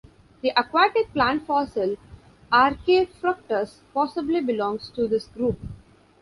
The aquatic plant fossil "Archaefructus" possibly belongs to this group.